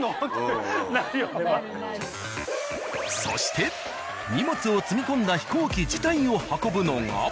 そして荷物を積み込んだ飛行機自体を運ぶのが。